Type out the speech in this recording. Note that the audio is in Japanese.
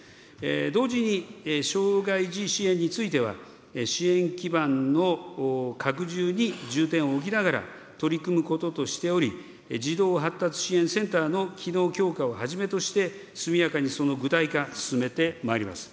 同時に、障害児支援については、支援基盤の拡充に重点を置きながら取り組むこととしており、児童発達支援センターの機能強化をはじめとして、速やかにその具体化、進めてまいります。